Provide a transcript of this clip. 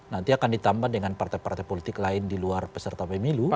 nanti akan ditambah dengan partai partai politik lain di luar peserta pemilu